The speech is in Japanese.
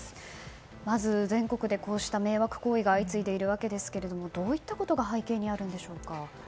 まず全国でこうした迷惑行為が相次いでいるわけですけれどもどういったことが背景にあるのでしょうか。